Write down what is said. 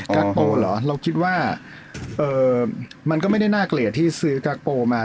โปเหรอเราคิดว่ามันก็ไม่ได้น่าเกลียดที่ซื้อกั๊กโปมา